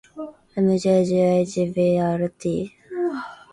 ｍｊｇｈｂｒｔ